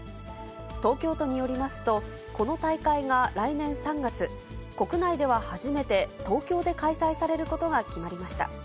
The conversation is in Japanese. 東京都によりますと、この大会が来年３月、国内では初めて、東京で開催されることが決まりました。